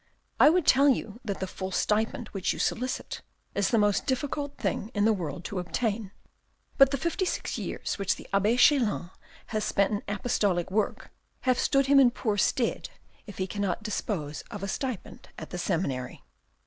I would tell you that the full stipend which you solicit is the most difficult thing in the world to obtain. But the fifty six years which the abbe Chelan has spent in apostolic work have stood him in poor stead if he cannot dispose of a stipend at the seminary.